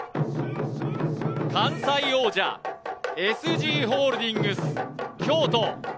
関西王者、ＳＧホールディングス・京都。